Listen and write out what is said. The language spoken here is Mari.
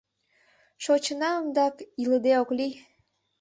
Шочынам дак, илыде ок лий.